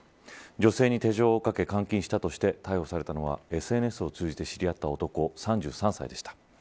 女性に手錠をかけ監禁したとして逮捕されたのＳＮＳを通じて知り合った男、３３歳でした。